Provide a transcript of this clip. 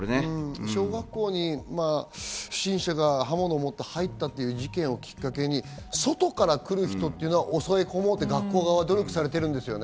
小学校に不審者が刃物を持って入ったという事件をきっかけに外から来る人というのは押さえ込もうと、学校側は努力されていますよね。